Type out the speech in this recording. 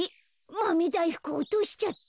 マメだいふくおとしちゃった。